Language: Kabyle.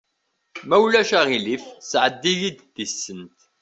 Ma ulac aɣilif sɛeddi-yi-d tisent.